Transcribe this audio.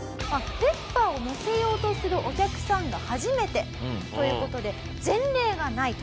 ペッパーを乗せようとするお客さんが初めてという事で前例がないと。